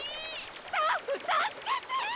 スタッフたすけて！